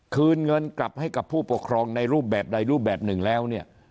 คืนเงินกลับให้กับผู้ปกครองในรูปแบบใดรูปแบบหนึ่งแล้วเนี่ย